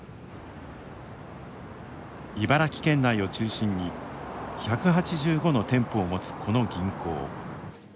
茨城県内を中心に１８５の店舗を持つこの銀行。